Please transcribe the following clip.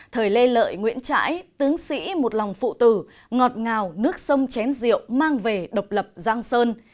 thời lê lợi nguyễn trãi tướng sĩ một lòng phụ tử ngọt ngào nước sông chén rượu mang về độc lập giang sơn